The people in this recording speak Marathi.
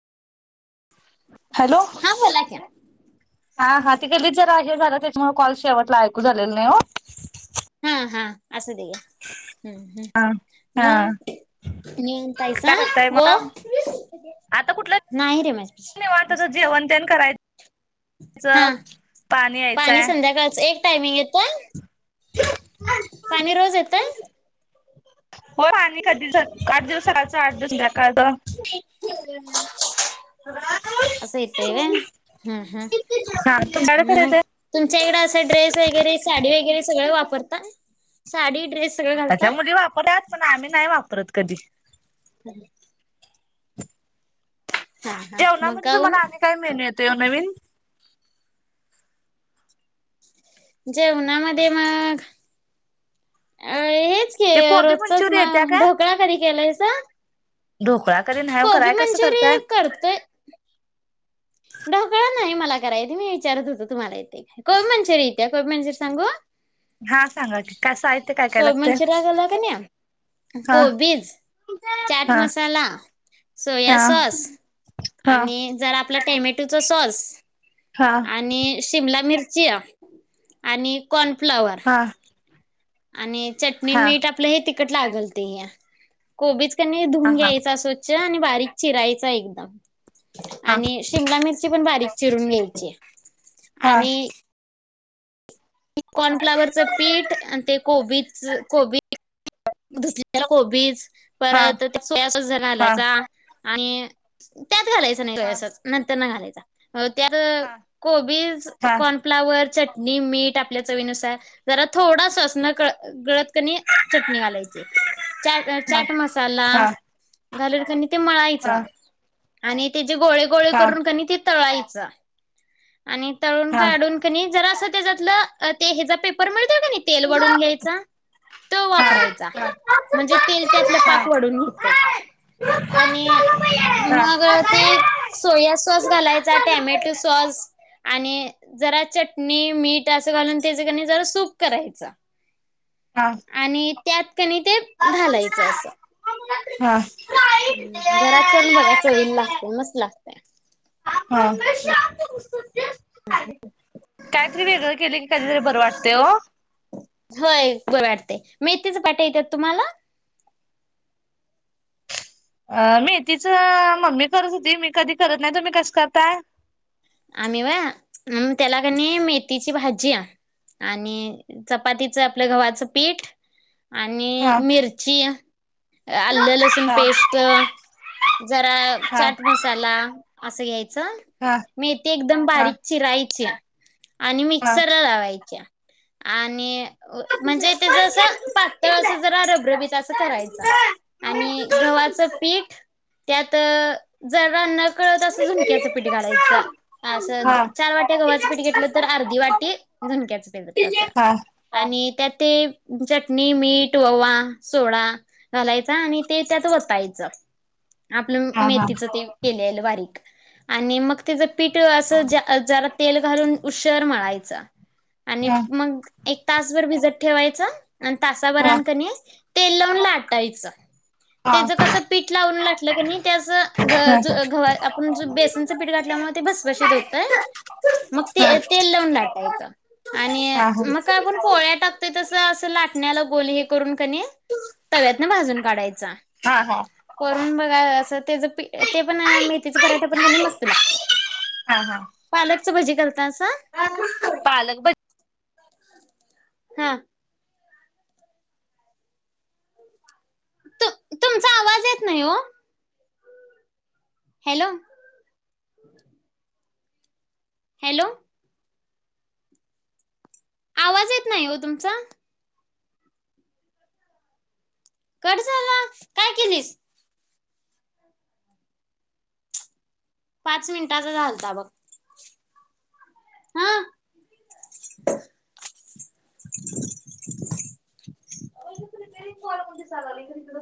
हॅलो हा बोला की हा हा ते कधी जरा हे झालं त्याच्यामुळे कॉल शेवटला ऐकू झालेला नाही हो हा हा असुदे घ्या ते का हम् हा हम् हा मग ननतायस काय करताय मग ओ आता आता कुठलं नाही रे माझ त्याच पाणी यायचंय संध्याकाळच एक टायमिंग येत हो पाणी कधीच झाात आठ दिवस सकाळच आठ दिवस संध्या काळ त अस येतय व्हय हम हम हा तुमच्याकडे कसं मग येतंय तुमच्या इकड असं ड्रेस वगैरे साडी वगैरे सगळ वापर वापरता साडी ड्रेस सगळं आताच्या घालताय मुली वापरतात पण आम्ही नाही वापरत कधी ह हा मग जेवणामध्ये गाऊन तुम्हाला आणि काय मेनू येतो ओ नवीन जेवणामध्ये मग हेच के ते कोबी रोजच मंचुरी म येत्या काय ढोकळा कधी केलाय जा ढोकळा कधी नाही ओ कोबी कराय कसं मंचुरी करताय करतोय ढोकळा नाही मला करायेत मी विचारत होतो तुम्हाला कोबी मंचुरी त्या कोबी मंचुरी सांगु. हा सांगा की कस हाय. कोबी मंचुरिया झाला कनी हा कोबीस चाट हा मसाला सोया हा सॉस आणि जरा आपला टोमॅटो टटू च सॉस. हा हा हा आणि शिमला मिरची आणि फ्लावर. आणि चटणी हा हा मीठ आपलं हे ती कट लागलती ह कोबीच. आणि धुऊून हा घयचं स्वच्छ. त्या आणि बारीक चिरायचा एकदम. हा आणि शिमला मिरची पण बारीक चिरून घ्यायची हा हा आणि कॉर्नफ्लावरचं पीठ आणि ते कोबी [unintelligible] कोबीले कोबीज परत त्या सोयास हा जणलायचा. आणि त्यात घालायचं नाहीं नर ना घायचं. चालतय. हो त्यात हा कोबीज हा कॉर्नफ्लावर चट नि मीठ. आपल्या चवीनुसार जरा थोडासाच न कळत कळत. कणी चटणी घालायची चाट मसाला. हा हा हा घालून कणि ते म्हळायचं. आणि त्याचे गोळे गोळे हा हा हा हा हा करून कणि तळाय चालतय. आणि तळून हा काडून क जरास. तेजातलं. ते ह्याचा पेपरमुळ का नाही तेल वढून घ्यायचा, ते वापरायचा म्हणजे तेल त्यातलं पाक वढून घेत, आणि मग ते सोया सॉस घालायचा टमॅटो सॉस. आणि जरा चटणी मीठ आस. घालून त्या ज सूप करायचा. आणि त्यात कणी ते घालायचं असं. हा हम्म घरात करून बघा चवीला लागतय हा मस्त लागतय. [unintelligible] कायतरी वेगळं केले की कधीतरी बरं वाटते हो. मेथीच पाठ येतात तुम्हाला. आ मेथीचा मम्मी करत होती, मी कधी करत नाही तुम्ही कस करताय. आम्ही वय त्याला कणी मेथीची भाजी, आणि चपातीचं आपलं गव्हाचं पीठ. आणि हा. मिरची आलं लसूण हा. पेस्ट जरा हा चाट मसाला. असं घ्यायचं? हा हा मेथी एकदम हा. हा. बारीक चिरायची. आणि हा मिक्सर ला लावायच्या. आणि म्हणजे त्याच असं पातळ अस जरा रबरबीत असं करायच आणि गव्हाचं पीठ त्यात जर न कळत असं झुंक्याचं पीठ घालायचं असं चार वाट्या गव्हाचं पीठ घेतलं तर अर्धी वाटी झणक्याच पिठ अस आणि त्यात ते चटणी, मीठ, ववा, सोडा घालायचा आणि ते त्यात वतायचं. आपलं मेथीच ते केलेलं वा आणि मग त्याच पीठ असं ज्या जरा तेल घालून उशर मळायचा. आणि हा मंग एक तासभर भिजत ठेवायचा. आणि हा हा तासावराण ण कणय तेल लावून लाटायचं. तेच हा कसं पीठ लावून लाटलं क नाही त्याच घ हा. ग गव्हाच आपण बेसनचं पीठ हा घातल्यामुळ भसभसीत होतय मग ते तेल लावुन लाटायच आणि हा मग काय आपण पोळ्या टाकतोय तस अस लाटण्याला गोल हे करून किनय तव्यातन भाजून काढायचा हा हा हा करून बघा अस त्या ते पण मेथीच पराठ पण क मस्त लागतय. हा पालकच भजे [unintelligible] पालक भ हं. तु तुमचा आवाज येत नाही ओ? हॅलो. हॅलो! आवाज येत नाही ओ तुमचा? कट झाला काय केलीस? पाच मिनिटांच झालता बघ. हा.